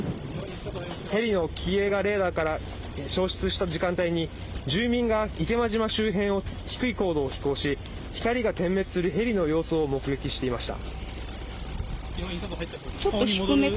ヘリの機影がレーダーから消失した時間帯に住民が池間島周辺を低い高度を飛行し光が点滅するヘリの様子を目撃していました。